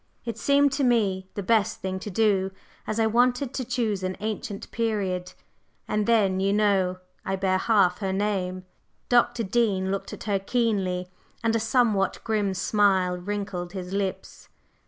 It seemed to me the best thing to do, as I wanted to choose an ancient period, and then, you know, I bear half her name." Dr. Dean looked at her keenly, and a somewhat grim smile wrinkled his lips.